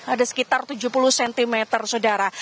ada sekitar tujuh puluh cm saudara